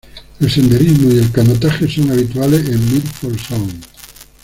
El senderismo y el canotaje son habituales en Milford Sound.